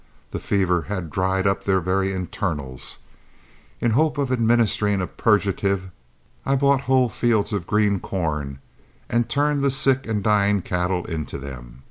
The fever had dried up their very internals. In the hope of administering a purgative, I bought whole fields of green corn, and turned the sick and dying cattle into them.